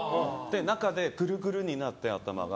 中でぐるぐるになって、頭が。